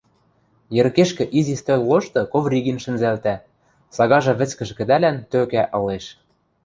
Йӹргешкӹ изи стӧл лошты Ковригин шӹнзӓлтӓ, сагажы вӹцкӹж кӹдӓлӓн тӧкӓ ылеш.